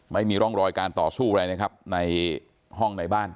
ไม่มีร่องรอยการต่อสู้อะไรนะครับในห้องในบ้าน